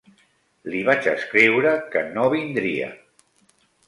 Li vaig escriure que no vindria.